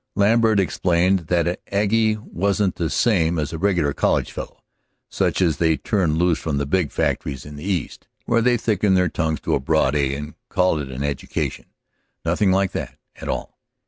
Lambert explained that an aggie wasn't the same as a regular college fellow, such as they turn loose from the big factories in the East, where they thicken their tongues to the broad a and call it an education; nothing like that, at all.